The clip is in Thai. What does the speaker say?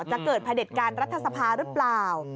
จะเกิดพระเด็จการรัฐสภาหรือเปล่า